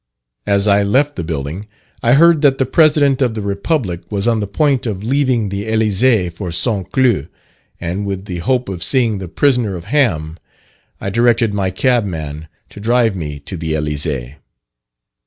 As I left the building, I heard that the President of the Republic was on the point of leaving the Elysee for St. Cloud, and with the hope of seeing the "Prisoner of Ham," I directed my cabman to drive me to the Elysee.